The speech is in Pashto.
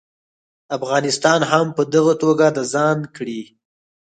افغانستان هم په دغه توګه د ځان کړي.